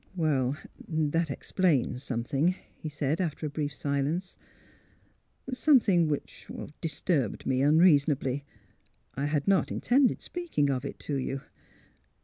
" That explains something," he said, after a brief silence, " something which — er — disturbed me unreasonably. I had not intended speaking of it to you."